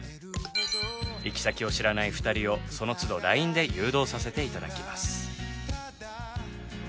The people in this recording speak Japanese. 行き先を知らない２人をその都度ＬＩＮＥで誘導させて頂きます。